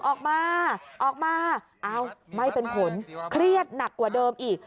ออกมาออกมาอ้าวไม่เป็นผลเครียดหนักกว่าเดิมอีก